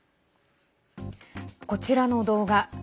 こちらの動画。